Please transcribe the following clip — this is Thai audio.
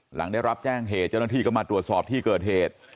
หลังได้รับแจ้งเหตุเจ้าหน้าที่ก็มาตรวจสอบที่เกิดเหตุ